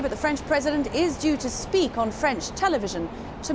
tapi presiden perancis akan berbicara di televisi perancis